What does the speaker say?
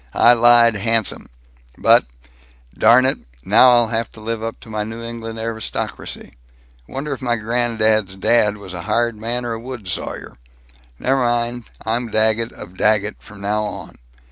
I lied handsome. But Darn it, now I'll have to live up to my New England aristocracy.... Wonder if my grand dad's dad was a hired man or a wood sawyer?... Ne' mine; I'm Daggett of Daggett from now on."